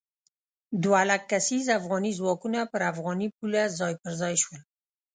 دوه لک کسیز افغاني ځواکونه پر افغاني پوله ځای پر ځای شول.